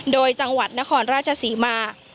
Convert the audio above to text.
โดยจังหวัดนครราชศรีมา